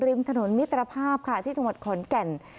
ริมถนนมิตรภาพค่ะที่จังหวัดขอนแก่น